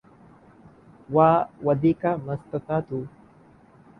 ওয়া ওয়া’দিকা মাসতাতা’তু।